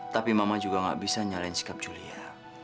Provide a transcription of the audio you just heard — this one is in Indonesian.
tapi mama juga gak bisa nyalain sikap julia